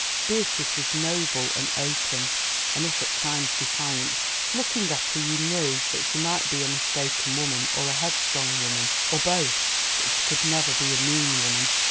Beatrice's was noble and open, if at times defiant. Looking at her you knew that she might be a mistaken woman, or a headstrong woman, or both, but she could never be a mean woman.